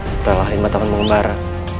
setelah lima tahun mengembara